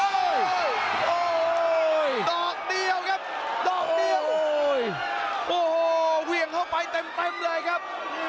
ดอกเดียวครับโอ้โหหวี่เองเข้าไปเต็มเลยครับ